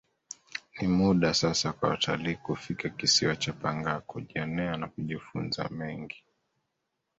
Ni muda Sasa kwa watalii kufika kisiwa cha pangaa kujionea na kujifunza mengi